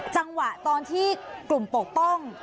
จังหวะตอนที่กลุ่มปกป้อง